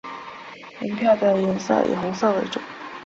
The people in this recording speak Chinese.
原票的颜色以红色为主。